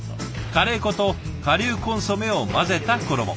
カレー粉と顆粒コンソメを混ぜた衣。